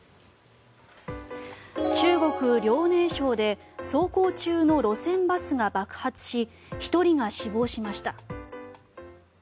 中国・遼寧省で走行中の路線バスが爆発し１人が死亡しました。